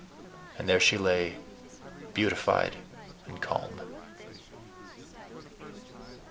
And there she lay beatified and calm.